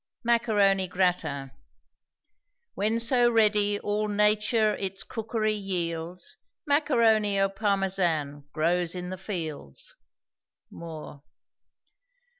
MACARONI GRATIN. Where so ready all nature its cookery yields, Macaroni au Parmesan grows in the fields. MOORE.